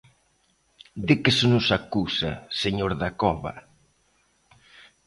¿De que se nos acusa, señor Dacova?